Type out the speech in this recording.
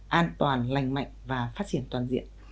môi trường an toàn lành mạnh và phát triển toàn diện